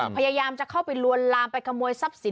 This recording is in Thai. พยายามจะเข้าไปลวนลามไปขโมยทรัพย์สิน